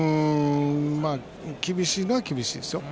厳しいのは厳しいですよ